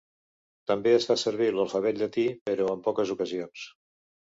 També es fa servir l'Alfabet llatí, però en poques ocasions.